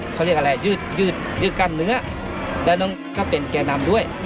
เขาเรียกอะไรยืดยืดยืดกล้ามเนื้อและน้องก็เป็นแก่นำด้วย